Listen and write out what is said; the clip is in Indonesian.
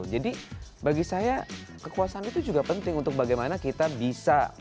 jadi bagi saya kekuasaan itu juga penting untuk bagaimana kita bisa berbuat kekuasaan